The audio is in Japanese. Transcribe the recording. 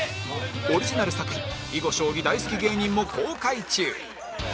オリジナル作品囲碁将棋大好き芸人も公開中